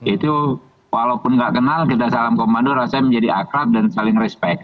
itu walaupun gak kenal kita salam komando rasanya menjadi akrab dan saling respect